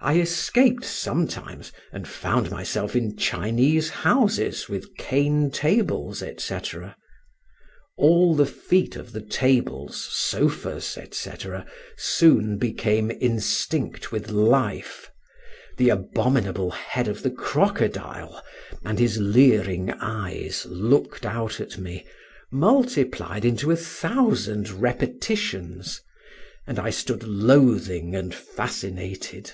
I escaped sometimes, and found myself in Chinese houses, with cane tables, &c. All the feet of the tables, sofas, &c., soon became instinct with life: the abominable head of the crocodile, and his leering eyes, looked out at me, multiplied into a thousand repetitions; and I stood loathing and fascinated.